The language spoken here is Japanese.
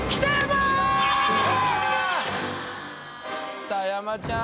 北山ちゃん。